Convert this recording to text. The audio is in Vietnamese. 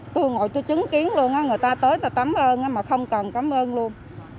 tôi ngồi tôi chứng kiến luôn á người ta tới tôi tắm ơn mà không cần tắm ơn luôn